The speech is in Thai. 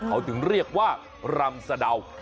เขาถึงเรียกว่ารำสะดาว